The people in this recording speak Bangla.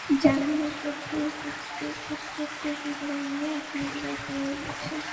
জার্মানিক গোত্রের উৎপত্তির বিবরণ নিয়ে এখনও বিতর্ক রয়ে গেছে।